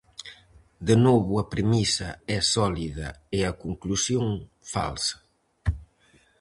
De novo a premisa é sólida e a conclusión falsa.